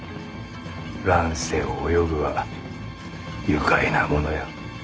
乱世を泳ぐは愉快なものよ。